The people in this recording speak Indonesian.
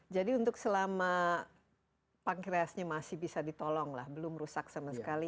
jadi untuk selama pankreasnya masih bisa ditolong lah belum rusak sama sekali